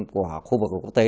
của khu vực của quốc tế